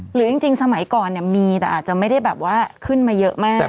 หรือจริงสมัยก่อนเนี่ยมีแต่อาจจะไม่ได้แบบว่าขึ้นมาเยอะมาก